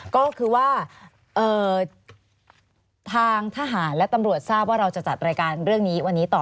ก็คือว่าทางทหารและตำรวจทราบว่าเราจะจัดรายการเรื่องนี้วันนี้ต่อ